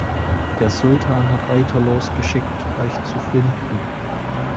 Der Sultan hat Reiter losgeschickt, euch zu finden.